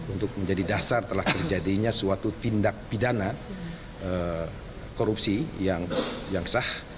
untuk menjadi dasar telah terjadinya suatu tindak pidana korupsi yang sah